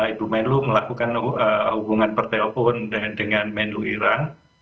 ibu menlu melakukan hubungan pertelpon dengan menlu iran